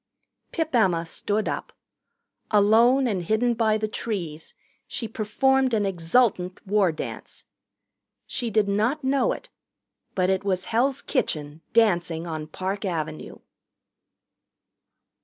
Pip Emma stood up. Alone and hidden by the trees, she performed an exultant war dance. She did not know it. But it was Hell's Kitchen dancing on Park Avenue.